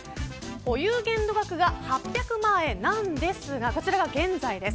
保有限度額が８００万円なんですがこちら現在です。